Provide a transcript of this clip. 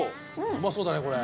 うまそうだねこれ。